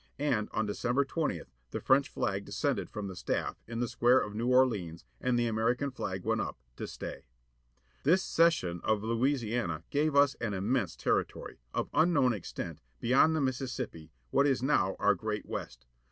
And, on December 20th, the French flag descended from the staff, in the square of New Orleans, and the American flag went up, â to stay. This cession of Louisiana gave us an immense territory, of unknown extent, beyond the Mississippi, what is now our great West.